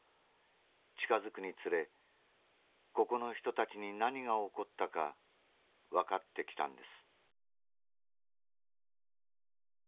近づくにつれここの人たちに何が起こったか分かってきたんです」。